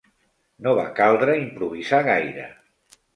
No va caldre improvisar gaire.